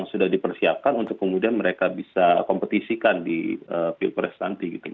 jadi mereka harus bersiapkan untuk kemudian mereka bisa kompetisikan di pilpres nanti